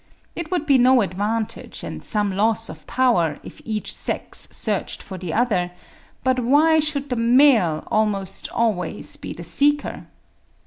It would be no advantage and some loss of power if each sex searched for the other; but why should the male almost always be the seeker?